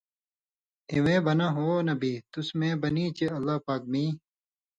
(اِوَیں) بنہ اُو نبی، تُس مے بنی چے کہ اللہ پاک می